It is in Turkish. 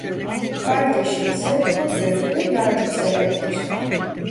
Kardeşi ise tokgözlü ve yardımseverdir.